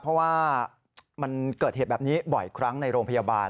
เพราะว่ามันเกิดเหตุแบบนี้บ่อยครั้งในโรงพยาบาล